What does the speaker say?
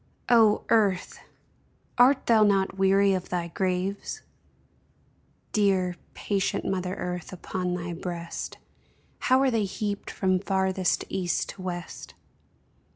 O Earth ! art thou not weary of thy graves ? Dear, patient mother Earth, upon thy breast How are they heaped from farthest east to west